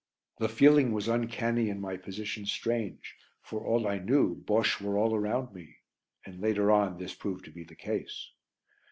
The feeling was uncanny and my position strange, for all I knew Bosches were all around me (and later on this proved to be the case).